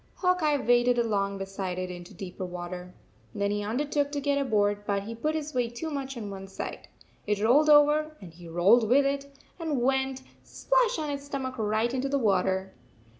Hawk Eye waded along beside it into deeper water. Then he undertook to get aboard, but he put his weight too much on one side. It rolled over, and he rolled with it, and went splash on his stomach right into the water!